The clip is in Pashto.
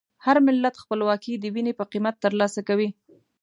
هر ملت خپلواکي د وینې په قیمت ترلاسه کوي.